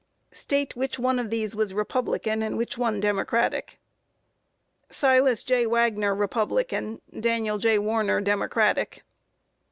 Q. State which one of these was Republican, and which one Democratic. A. Silas J. Wagner, Republican; Daniel J. Warner, Democratic.